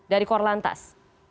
dari kor lantas